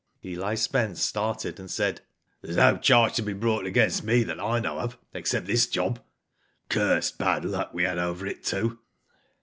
Eli Spence started, and said :There's no charge can be brought against me that I know of, except this job. Cursed bad luck we had over it, too."